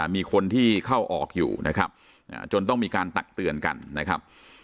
มีคนที่เข้าออกอยู่นะครับจนต้องมีการตักเตือนกันนะครับ